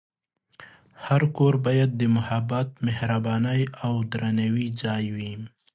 هر کور باید د محبت، مهربانۍ، او درناوي ځای وي.